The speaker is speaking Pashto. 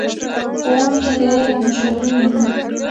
ښوونکي د علم مشعلونه دي.